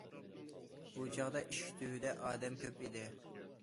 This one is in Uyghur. بۇ چاغدا ئىشىك تۈۋىدە ئادەم كۆپ ئىدى.